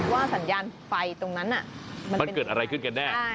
ว่าสัญญาณไฟตรงนั้นมันเกิดอะไรขึ้นกันแน่